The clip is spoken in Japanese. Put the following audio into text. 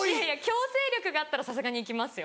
強制力があったらさすがに行きますよ。